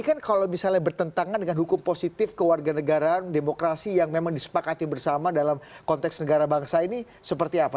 ini kan kalau misalnya bertentangan dengan hukum positif kewarganegaraan demokrasi yang memang disepakati bersama dalam konteks negara bangsa ini seperti apa